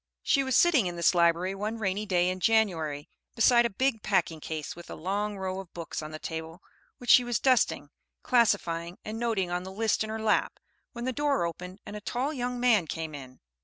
_] She was sitting in this library one rainy day in January, beside a big packing case, with a long row of books on the table, which she was dusting, classifying, and noting on the list in her lap, when the door opened and a tall young man came in.